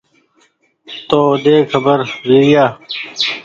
تو ڪيوي ۮي کبر ويريآ